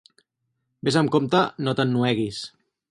Ves amb compte no t'ennueguis.